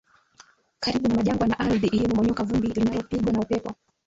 karibu na majangwa na ardhi iliyomomonyoka vumbi linalopigwa na upepo